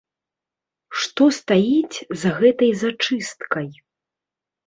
Што стаіць за гэтай зачысткай?